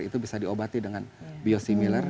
itu bisa diobati dengan biosimilar